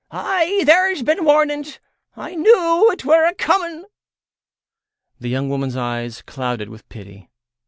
Ay, there's been warnings. I knew it were a coming." The young woman's eyes clouded with pity.